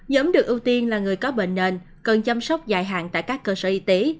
nhóm được ưu tiên là người có bệnh nền cần chăm sóc dài hạn tại các cơ sở y tế